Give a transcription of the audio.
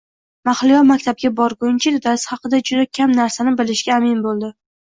Mahliyo maktabga borguncha dadasi haqida juda kam narsani bilishiga amin bo`ldi